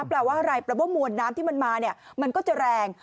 แปลว่าอะไรแปลว่ามวลน้ำที่มันมาเนี่ยมันก็จะแรง